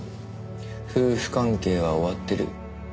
夫婦関係は終わってる。